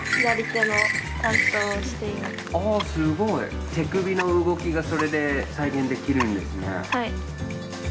手首の動きがそれで再現できるんですね。